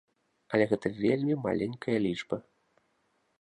Але гэта вельмі маленькая лічба.